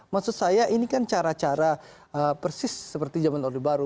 maksud saya ini kan cara cara persis seperti zaman orde baru